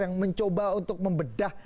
yang mencoba untuk membedah